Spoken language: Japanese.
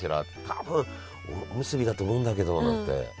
多分おむすびだと思うんだけど」なんて。